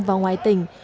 và ngoài tỉnh